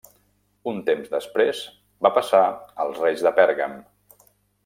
Un temps després va passar als reis de Pèrgam.